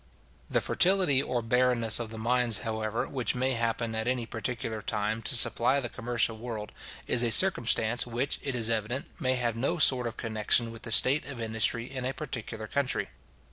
The fertility or barrenness of the mines, however, which may happen at any particular time to supply the commercial world, is a circumstance which, it is evident, may have no sort of connection with the state of industry in a particular country.